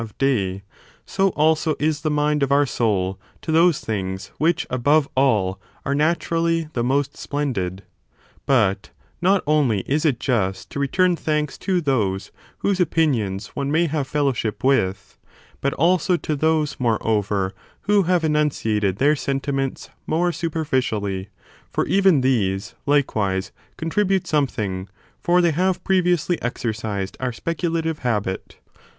of day, so also is the mind of our soul to those things which, above all, are naturally the most splendid. 8 Union of "^^*^^^^^^^^^* j^^* *^ rctum thanks to men for the thosc whoso opinious oue may have fellowship fratSr'^ ®' with, but also to those, moreover, who have enim ciated their sentiments more superficially; for even these, likewise, contribute something, for they have pre viously exercised our speculative habit.